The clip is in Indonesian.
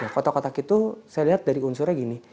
kotak kotak itu saya lihat dari unsurnya gini